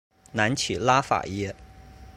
南起拉法叶。